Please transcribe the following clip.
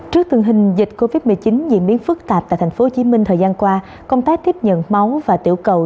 trước tình hình dịch covid một mươi chín diễn biến phức tạp tại tp hcm thời gian qua công tác tiếp nhận máu và tiểu cầu